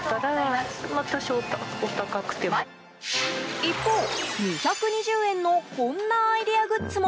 一方、２２０円のこんなアイデアグッズも。